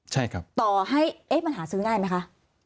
ใช่ครับต่อให้เอ๊ะมันหาซื้อง่ายไหมคะ